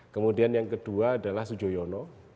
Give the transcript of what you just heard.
kemudian yang kedua adalah sujoyono